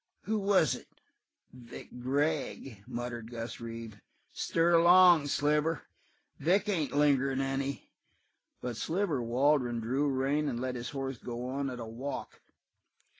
"Who is it?" "Vic Gregg!" muttered Gus Reeve. "Stir, along, Sliver. Vic ain't lingerin' any!" But Sliver Waldron drew rein, and let his horse go on at a walk.